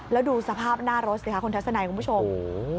แล้วดูสภาพหน้ารถสิคะคุณทัศนัยคุณผู้ชม